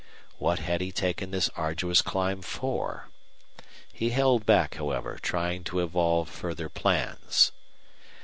What had he taken this arduous climb for? He held back, however, trying to evolve further plans.